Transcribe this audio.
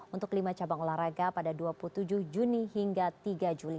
untuk lima cabang olahraga pada dua puluh tujuh juni hingga tiga juli